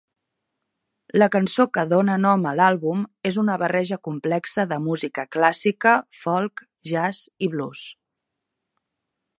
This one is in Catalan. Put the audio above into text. La cançó que dóna nom a l'àlbum és una barreja complexa de música clàssica, folk, jazz i blues.